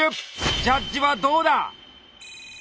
ジャッジはどうだ？